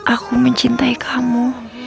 aku mencintai kamu